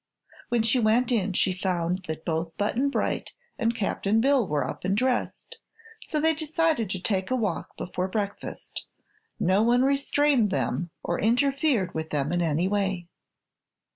When she went in she found that both Button Bright and Cap'n Bill were up and dressed, so they decided to take a walk before breakfast. No one restrained them or interfered with them in any way.